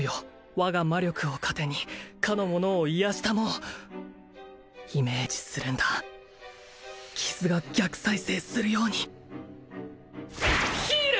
我が魔力を糧に彼のものを癒やし給うイメージするんだ傷が逆再生するようにヒール！